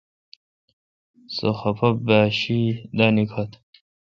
سو خفہ با شی دا نکھت۔